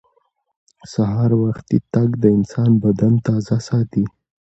سهار وختي تګ د انسان بدن تازه ساتي